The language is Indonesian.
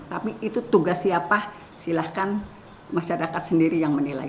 tapi itu tugas siapa silahkan masyarakat sendiri yang menilai